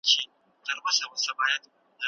د يتيمانو سره نېکي وکړئ.